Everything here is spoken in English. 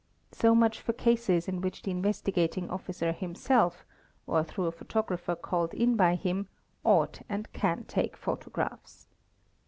So much for cases in. which the Investigating Officer himself, or through a photographer called in by him, ought and can take photographs.